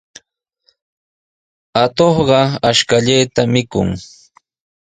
Atuqqa ashkallata mikun.